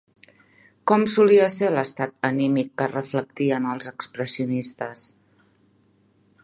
Com solia ser l'estat anímic que reflectien els expressionistes?